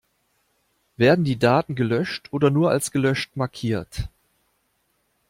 Werden die Daten gelöscht oder nur als gelöscht markiert?